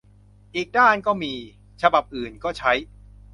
อีกด้านก็มี ฉบับอื่นก็ใช้